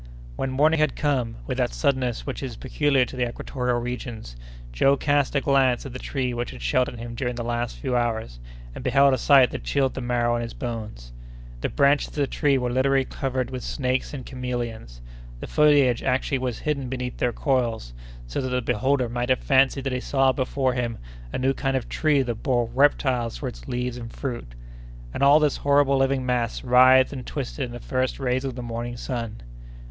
When morning had come with that suddenness which is peculiar to the equatorial regions, Joe cast a glance at the tree which had sheltered him during the last few hours, and beheld a sight that chilled the marrow in his bones. The branches of the tree were literally covered with snakes and chameleons! The foliage actually was hidden beneath their coils, so that the beholder might have fancied that he saw before him a new kind of tree that bore reptiles for its leaves and fruit. And all this horrible living mass writhed and twisted in the first rays of the morning sun!